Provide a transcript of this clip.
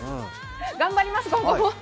頑張ります、今度も。